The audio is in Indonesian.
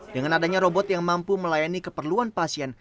dengan adanya robot yang mampu melayani keperluan pasien